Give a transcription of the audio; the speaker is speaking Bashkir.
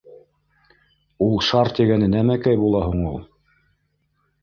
— Ул шар тигәне нәмәкәй була һуң ул?